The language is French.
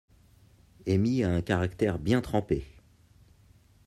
Amy a un caractère bien trempé.